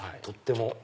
とっても。